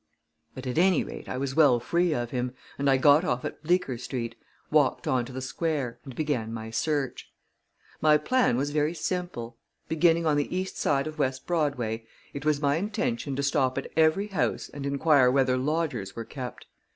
But, at any rate, I was well free of him, and I got off at Bleecker Street, walked on to the Square, and began my search. My plan was very simple. Beginning on the east side of West Broadway, it was my intention to stop at every house and inquire whether lodgers were kept.